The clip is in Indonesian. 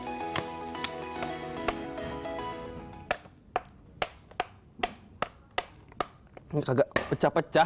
ini agak pecah pecah